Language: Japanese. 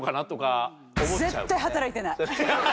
絶対働いてない。